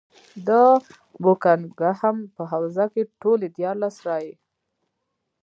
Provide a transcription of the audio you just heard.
د بوکنګهم په حوزه کې ټولې دیارلس رایې.